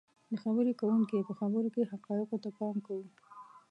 . د خبرې کوونکي په خبرو کې حقایقو ته پام کوو